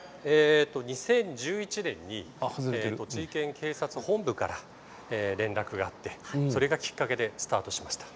２０１１年に栃木県警察本部から連絡があってそれがきっかけでスタートしました。